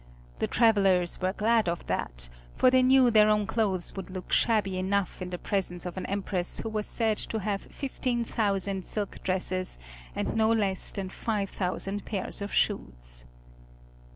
The travelers were glad of that, for they knew their own clothes would look shabby enough in the presence of an Empress who was said to have 15,000 silk dresses and no less than 5,000 pairs of shoes.